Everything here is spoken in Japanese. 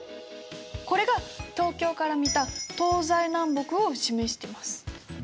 これが東京から見た東西南北を示してます。